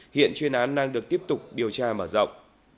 hiện chuyên án đang được tiếp tục điều tra mở rộng